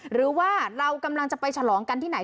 หรือว่าเรากำลังจะไปฉลองกันที่ไหน